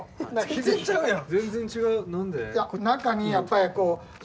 全然ちゃうやん。